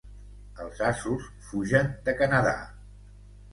Els asos fugen de Canadà.